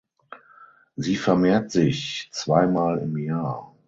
Sie vermehrt sich zwei Mal im Jahr.